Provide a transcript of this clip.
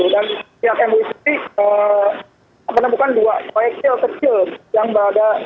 dan pihak mui sendiri menemukan dua proyek sil kecil